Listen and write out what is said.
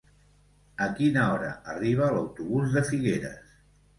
A quina hora arriba l'autobús de Figueres?